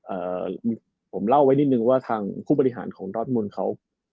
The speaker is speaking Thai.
เอ่อผมเล่าไว้นิดนึงว่าทางผู้บริหารของดอทมนต์เขา